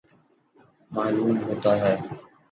معلوم ہوتا ہے